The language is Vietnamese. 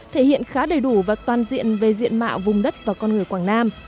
thể hiện khá đầy đủ và toàn diện về diện mạo vùng đất và con người quảng nam